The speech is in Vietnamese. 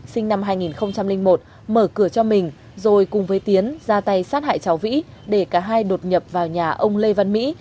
sinh năm hai nghìn một mở cửa cho mình rồi cùng với tiến ra tay sát hại cháu vĩ để cả hai đột nhập vào nhà ông lê văn mỹ